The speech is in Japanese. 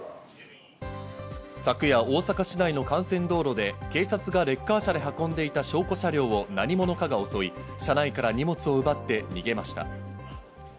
昨夜、大阪市内の幹線道路で警察がレッカー車で運んでいた証拠車両を何者かが襲い、車内から荷物を奪って逃げました。